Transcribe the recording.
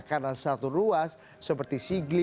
karena satu ruas seperti sigli